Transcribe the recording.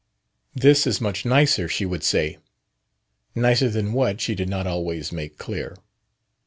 "This is much nicer," she would say. Nicer than what, she did not always make clear.